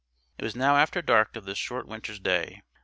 It was now after dark of this short winter's day.